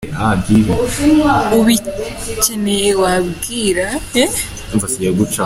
Ubicyeneye wabwira.